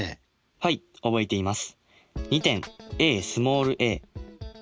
はい覚えています。